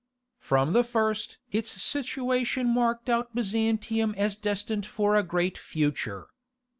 From the first its situation marked out Byzantium as destined for a great future.